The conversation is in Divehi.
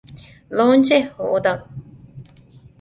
ލޯންޗެއް ހޯދަން